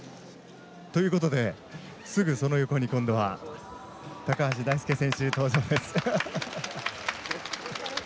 ということですぐその横に今度は橋大輔選手登場です。